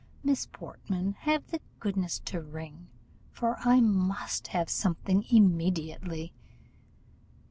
Miss Portman, have the goodness to ring, for I must have something immediately."